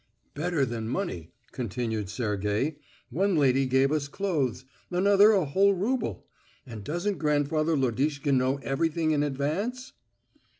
"Better than money," continued Sergey, "one lady gave us clothes, another a whole rouble. And doesn't grandfather Lodishkin know everything in advance?"